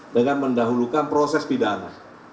dengan mendahulukan proses pidana